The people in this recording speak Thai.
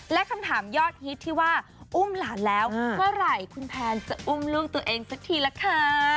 และคำถามยอดฮิตที่ว่าอุ้มหลานแล้วเมื่อไหร่คุณแพนจะอุ้มลูกตัวเองสักทีละคะ